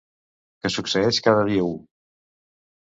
Que succeeix cada dia u.